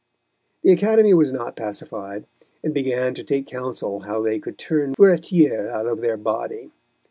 The Academy was not pacified, and began to take counsel how they could turn Furetière out of their body.